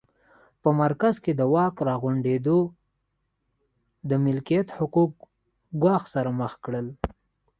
په مرکز کې د واک راغونډېدو د ملکیت حقوق ګواښ سره مخ کړل